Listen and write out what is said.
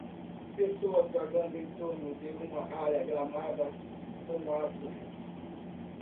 Pessoas vagando em torno de uma área gramada com árvores.